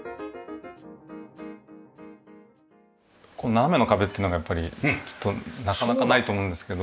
斜めの壁っていうのがやっぱりきっとなかなかないと思うんですけど。